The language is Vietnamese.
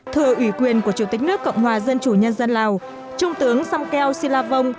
thừa ủy quyền của chủ tịch nước cộng hòa dân chủ nhân dân lào trung tướng sam keo silavong